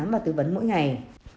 và tư vấn mỗi ngày